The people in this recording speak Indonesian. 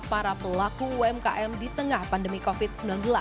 para pelaku umkm di tengah pandemi covid sembilan belas